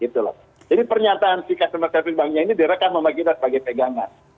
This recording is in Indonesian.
jadi pernyataan si customer service banknya ini direkam membagi kita sebagai pegangan